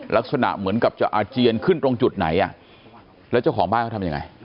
ลักษณะเหมือนกับจะอาเจียนขึ้นตรงจุดไหนอ่ะแล้วเจ้าของบ้านเขาทำยังไง